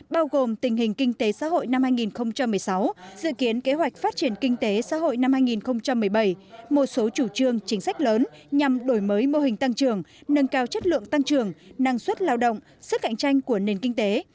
bao gồm tình hình kinh tế xã hội năm hai nghìn một mươi sáu dự kiến kế hoạch phát triển kinh tế xã hội năm hai nghìn một mươi bảy một số chủ trương chính sách lớn nhằm đổi mới mô hình tăng trưởng nâng cao chất lượng tăng trưởng năng suất lao động sức cạnh tranh của nền kinh tế